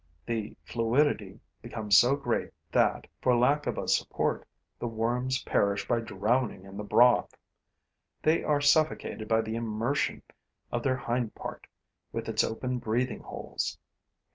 The fluidity becomes so great that, for lack of a support, the worms perish by drowning in the broth; they are suffocated by the immersion of their hind part, with its open breathing holes.